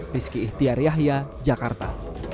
rizky ihtiar yahya jakarta